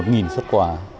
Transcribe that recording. để giúp đỡ cho